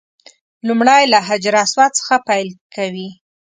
لومړی له حجر اسود څخه پیل کوي.